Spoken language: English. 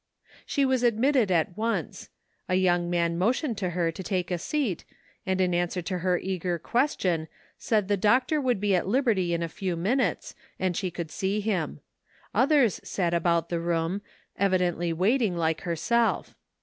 She was admitted at once. A young man motioned her to take a seat, and in answer to her eager question, said the doctor would be at liberty in a few minutes, and she could see him. Others sat about the room, evidently waiting, like herself.